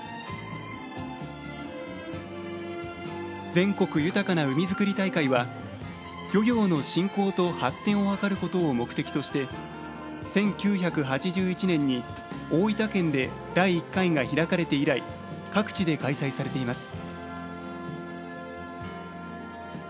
「全国豊かな海づくり大会」は漁業の振興と発展を図ることを目的として、１９８１年に大分県で第１回が開かれて以来各地で開催されています。